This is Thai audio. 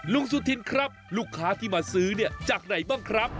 ลุงซูธินครับลูกข้าที่มาซื้อจากไหนบ้างครับ